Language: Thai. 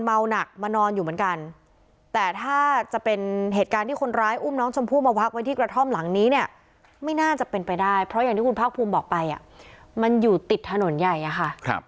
เพราะอย่างที่คุณภาคภูมิบอกไปมันอยู่ติดถนนใหญ่ค่ะ